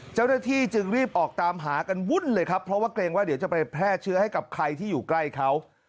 เจ้าหน้าที่จึงรีบออกตามหากันวุ่นเลยครับเพราะว่าเกรงว่าเดี๋ยวจะไปแพร่เชื้อให้กับใครที่อยู่ใกล้เขา